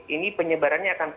ini penyebarannya akan sampai